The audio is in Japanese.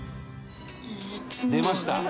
「出ました！